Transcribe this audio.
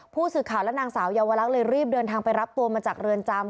ผู้สื่อข่าวและนางสาวเยาวลักษณ์เลยรีบเดินทางไปรับตัวมาจากเรือนจำ